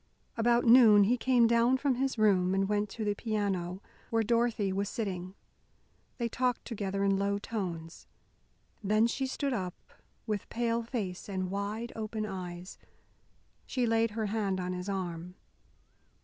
About noon he came down from his room and went to the piano, where Dorothy was sitting. They talked together in low tones. Then she stood up, with pale face and wide open eyes. She laid her hand on his arm.